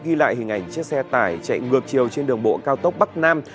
ghi lại hình ảnh chiếc xe tải chạy ngược chiều trên đường bộ cao tốc bắc nam